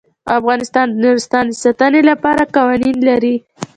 افغانستان د نورستان د ساتنې لپاره قوانین لري.